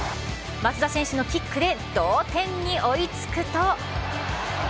松田選手のキックで同点に追い付くと。